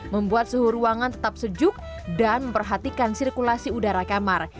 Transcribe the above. membuat suhu ruangan tetap sejuk dan memperhatikan sirkulasi udara kamar